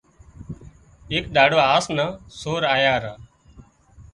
ايڪ ۮاڙو هاس نا سور آيا را